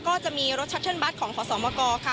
ก็จะมีรถชัตเชิลบัตรของขสมก